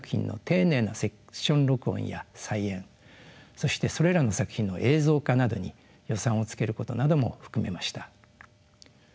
そしてそれらの作品の映像化などに予算をつけることなども含めました。